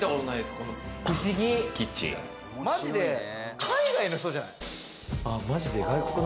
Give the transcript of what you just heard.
マジで海外の人じゃない？